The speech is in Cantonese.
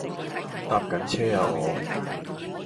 搭緊車呀我